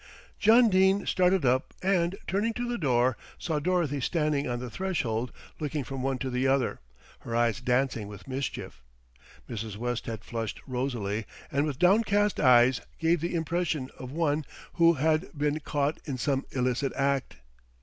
John Dene started up and, turning to the door, saw Dorothy standing on the threshold looking from one to the other, her eyes dancing with mischief. Mrs. West had flushed rosily, and with downcast eyes gave the impression of one who had been caught in some illicit act.